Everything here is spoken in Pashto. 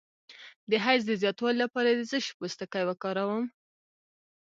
د حیض د زیاتوالي لپاره د څه شي پوستکی وکاروم؟